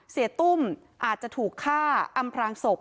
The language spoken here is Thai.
ตุ้มอาจจะถูกฆ่าอำพรางศพ